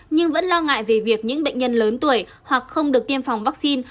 nhưng vẫn lo ngại về việc những bệnh nhân lớn tuổi hoặc không được tiêm phòng vaccine